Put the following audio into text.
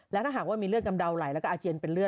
และถ้ามีเลือดกำเดาไหลก็อาเจียนเป็นเลือด